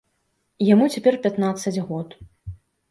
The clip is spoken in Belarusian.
Яму цяпер пятнаццаць год.